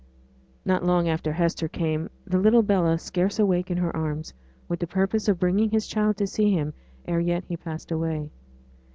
Not long after Hester came, the little Bella scarce awake in her arms, with the purpose of bringing his child to see him ere yet he passed away.